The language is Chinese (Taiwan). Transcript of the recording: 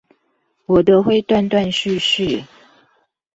我的會斷斷續續